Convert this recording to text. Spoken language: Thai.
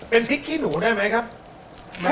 เป็นพริกขี้หนูได้ไหมครับ